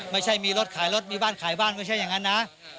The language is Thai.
ไม่ใช่มีรถขายรถมีบ้านขายบ้านไม่ใช่อย่างนั้นนะ